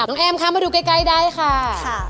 น้องแอมคะมาดูใกล้ได้ค่ะ